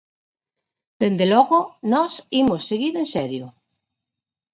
Dende logo, nós imos seguir en serio.